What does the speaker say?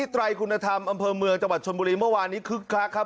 ไรคุณธรรมอำเภอเมืองจังหวัดชนบุรีเมื่อวานนี้คึกคักครับ